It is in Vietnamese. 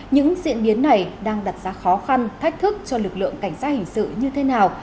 những diễn biến này đang đặt ra khó khăn thách thức cho lực lượng cảnh sát hình sự như thế nào